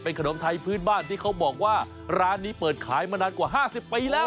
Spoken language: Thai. ขนมไทยพื้นบ้านที่เขาบอกว่าร้านนี้เปิดขายมานานกว่า๕๐ปีแล้ว